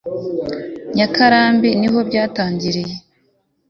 nyakarambi niho byatangiriye